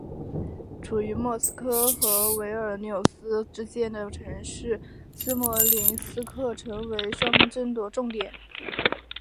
处于莫斯科和维尔纽斯之间的城市斯摩棱斯克成为双方争夺重点。